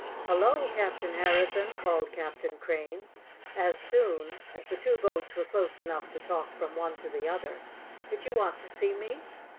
"Hello, Captain Harrison!" called Captain Crane, as soon as the two boats were close enough to talk from one to the other. "Did you want to see me?"